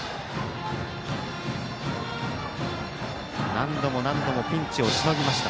何度も何度もピンチをしのぎました。